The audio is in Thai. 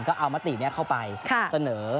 ก็เอามตินี้เข้าไปเสนอ